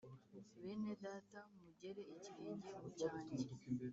Bene Data mugere ikirenge mu cyanjye